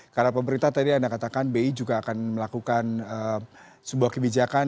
karena pemerintah tadi anda katakan bi juga akan melakukan sebuah kebijakan